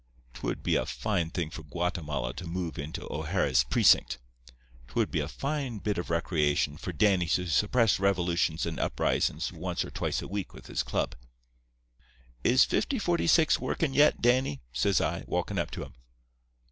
'Twould be a fine thing for Guatemala to move into O'Hara's precinct. 'Twould be a fine bit of recreation for Danny to suppress revolutions and uprisin's once or twice a week with his club. "'Is 5046 workin' yet, Danny?' says I, walkin' up to him.